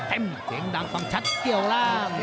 เสียงดังฟังชัดเกี่ยวล่าง